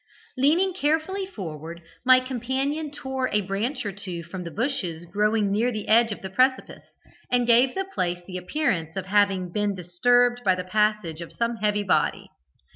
Leaning carefully forward, my companion tore a branch or two from the bushes growing near the edge of the precipice, and gave the place the appearance of having been disturbed by the passage of some heavy body.